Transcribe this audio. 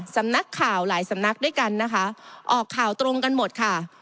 สำนักข่าวหลายสำนักด้วยกันนะคะออกข่าวตรงกันหมดค่ะ